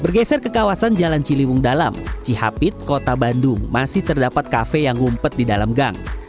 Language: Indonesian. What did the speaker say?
bergeser ke kawasan jalan ciliwung dalam cihapit kota bandung masih terdapat kafe yang ngumpet di dalam gang